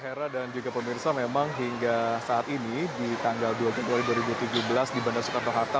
hera dan juga pemirsa memang hingga saat ini di tanggal dua puluh dua ribu tujuh belas di bandara soekarno hatta